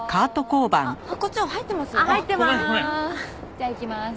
じゃあいきます。